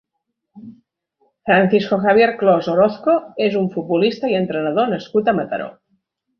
Francisco Javier Clos Orozco és un futbolista i entrenador nascut a Mataró.